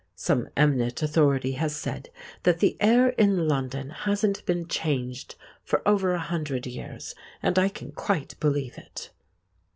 Some eminent authority has said that the air in London hasn't been changed for over a hundred years, and I can quite believe it!